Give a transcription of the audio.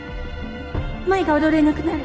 舞が踊れなくなる